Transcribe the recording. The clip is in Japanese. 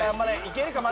いけるか？